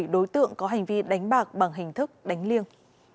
bảy đối tượng có hành vi đánh bạc bằng hình thức đánh liêng